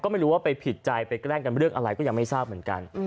ไม่รู้ว่าไปผิดใจไปแกล้งกันเรื่องอะไรก็ยังไม่ทราบเหมือนกัน